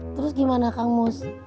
terus gimana kak mus